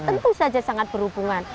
tentu saja sangat berhubungan